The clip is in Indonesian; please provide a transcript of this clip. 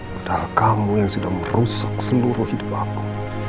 padahal kamu yang sudah merusak seluruh hidup aku